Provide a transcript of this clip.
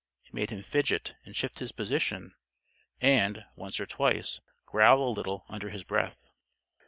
It made him fidget and shift his position; and, once or twice, growl a little under his breath.